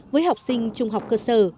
với học sinh trung học cơ sở